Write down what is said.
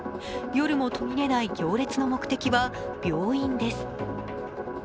夜も途切れない行列の目的は病院です。